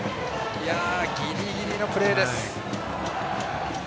ギリギリのプレーです。